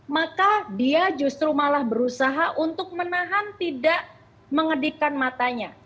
maka dia justru malah berusaha untuk menahan tidak mengedipkan matanya